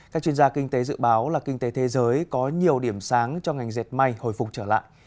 các chuyên gia kinh tế dự báo là kinh tế thế giới có nhiều điểm sáng cho ngành dệt may hồi phục trở lại